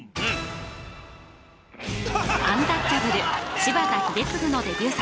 アンタッチャブル柴田英嗣のデビュー作